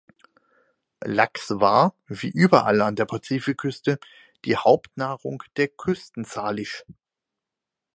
Lachs war, wie überall an der Pazifikküste, die Hauptnahrung der Küsten-Salish.